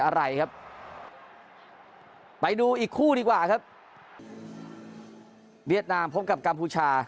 อะไรครับไปดูอีกคู่ดีกว่าครับเวียดนามพบกับกัมพูชา